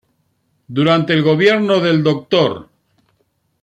Durante el gobierno del Dr.